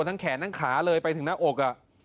ทั้งแขนทั้งขาเลยไปถึงหน้าอก